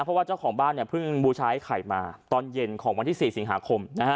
เพราะว่าเจ้าของบ้านเนี่ยเพิ่งบูชายไข่มาตอนเย็นของวันที่๔สิงหาคม